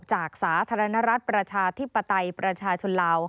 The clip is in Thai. สาธารณรัฐประชาธิปไตยประชาชนลาว